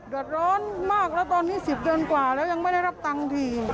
เดือดร้อนมากแล้วตอนนี้๑๐เดือนกว่าแล้วยังไม่ได้รับตังค์ที